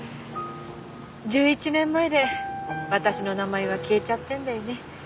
１１年前で私の名前は消えちゃってるんだよね